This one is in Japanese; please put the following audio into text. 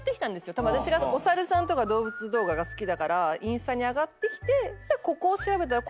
たぶん私がお猿さんとか動物動画が好きだからインスタに上がってきてそしたらここを調べたら。